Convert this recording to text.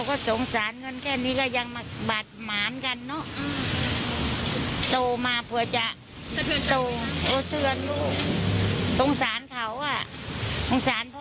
เขาเลี้ยงตัวโตมาเผื่อจะโต